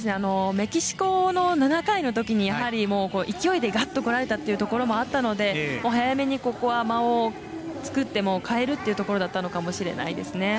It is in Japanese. メキシコの７回のときにやはり勢いで、ガッとこられたっていうのがあったので早めに、ここは間を作って代えるというところだったのかもしれないですね。